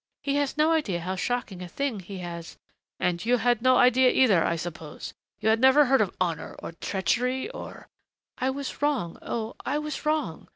He has no idea how shocking a thing he has " "And you had no idea, either, I suppose. You had never heard of honor or treachery or " "I was wrong, oh, I was wrong!